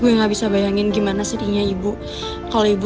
ini surat bo le